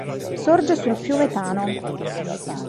Sorge sul fiume Tano.